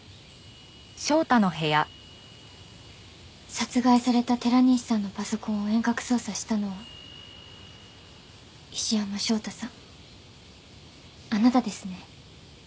殺害された寺西さんのパソコンを遠隔操作したのは石山翔太さんあなたですね？